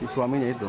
si suaminya itu